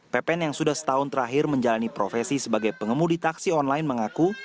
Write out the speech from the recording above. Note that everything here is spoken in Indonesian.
pepen yang sudah setahun terakhir menjalani profesi sebagai pengemudi taksi online mengaku